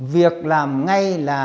việc làm ngay là